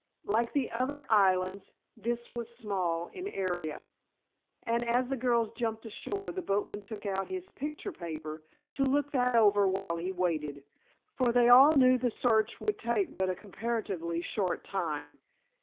Like the other islands this was small in area; and as the girls jumped ashore the boatman took out his "picture paper" to look that over while he waited, for they all knew the search would take but a comparatively short time.